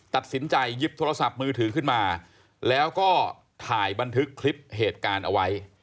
ตัดสินใจหยิบโทรศัพท์มือถือขึ้นมาแล้วก็ถ่ายบันทึกคลิปเหตุการณ์เอาไว้